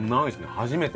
初めて。